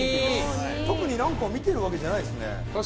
特に何かを見てるわけじゃないですね。